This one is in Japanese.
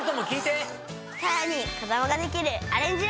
さらに子供ができるアレンジ料理も！